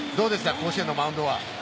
甲子園のマウンドは。